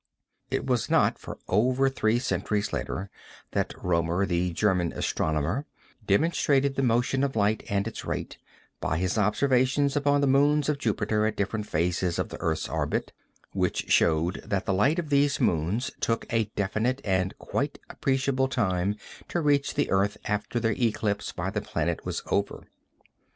It was not for over three centuries later that Römer, the German astronomer, demonstrated the motion of light and its rate, by his observations upon the moons of Jupiter at different phases of the earth's orbit, which showed that the light of these moons took a definite and quite appreciable time to reach the earth after their eclipse by the planet was over.